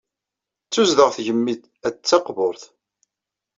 Tettuzdeɣ tgemmi-ad taqburt.